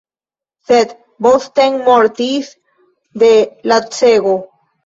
Sed Bosten mortis de lacego.